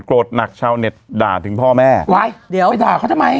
หนักชาวเน็ตด่าถึงพ่อแม่ว้ายเดี๋ยวไปด่าเขาทำไม